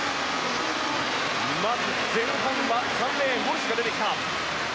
まず前半は３レーンウォルシュが出てきた。